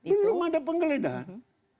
belum ada penggeledahan